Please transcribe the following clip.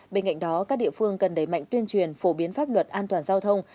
bên cạnh đó các địa phương cần đẩy mạnh tuyên truyền phổ biến pháp luật an toàn giao thông